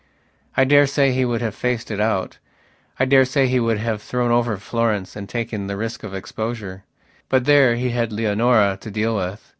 I daresay he would have faced it out; I daresay he would have thrown over Florence and taken the risk of exposure. But there he had Leonora to deal with.